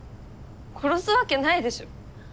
殺すわけないでしょ。